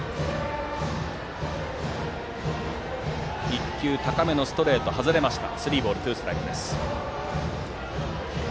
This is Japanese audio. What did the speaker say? １球、高めのストレートが外れました。